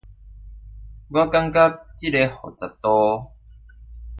我覺得這個複雜度